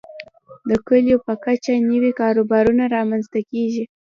د کليو په کچه نوي کاروبارونه رامنځته کیږي.